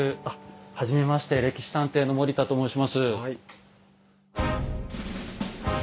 はじめまして「歴史探偵」の森田と申します。